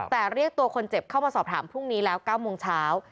แต่เรียกตัวคนเจ็บเข้ามาสอบถามพรุ่งนี้แล้ว๙โมงเช้า